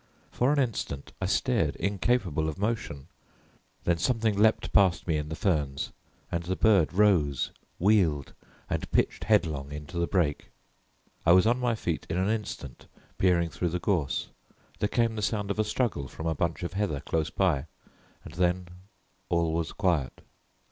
For an instant I stared, incapable of motion; then something leaped past me in the ferns and the bird rose, wheeled, and pitched headlong into the brake. I was on my feet in an instant peering through the gorse. There came the sound of a struggle from a bunch of heather close by, and then all was quiet.